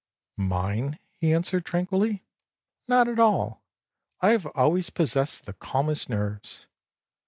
â âMine?â he answered, tranquilly. âNot at all, I have always possessed the calmest nerves.